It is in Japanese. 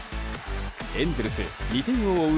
エンゼルス、２点を追う